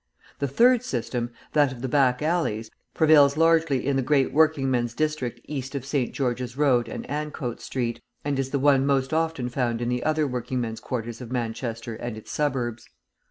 The third system, that of the back alleys, prevails largely in the great working men's district east of St. George's Road and Ancoats Street, and is the one most often found in the other working men's quarters of Manchester and its suburbs.